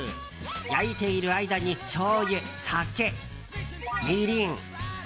焼いている間にしょうゆ、酒、みりん。